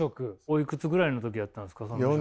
おいくつぐらいの時やったんですか？